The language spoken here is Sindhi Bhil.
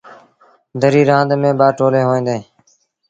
دريٚ رآند ميݩ ٻا ٽولين هوئيݩ ديٚݩ۔